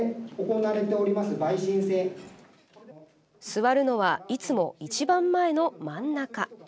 座るのはいつも一番前の真ん中。